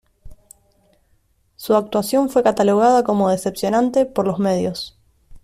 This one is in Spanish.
Su actuación fue catalogada como "decepcionante" por los medios.